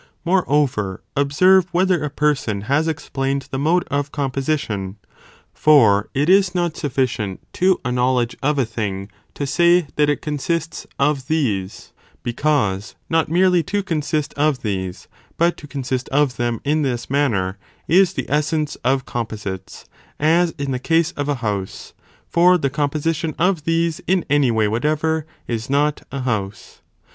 4, Explanation _ Moreover, (observe) whether a person has ex = ἀπ made of plained the mode of composition. , For it is not ' gufficient to a knowledge of a thing, to say that it consists of these, because not merely to consist of these, but to consist of them in this manner, is the essence of composites ; as in the case of a house, for the composition of these in any way whatever, is not a house.